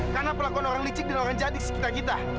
karena pelakon orang licik dan orang jahat di sekitar kita